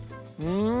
うん！